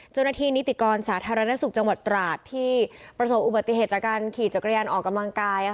นิติกรสาธารณสุขจังหวัดตราดที่ประสบอุบัติเหตุจากการขี่จักรยานออกกำลังกาย